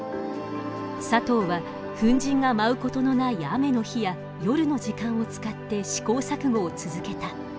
佐藤は粉塵が舞うことのない雨の日や夜の時間を使って試行錯誤を続けた。